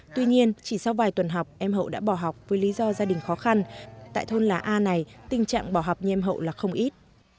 tuy nhiên chỉ sau vài tuần học em hậu đã bỏ học với lý do gia đình khó khăn tại thôn lá a này tình trạng bỏ học nhem hậu là không ít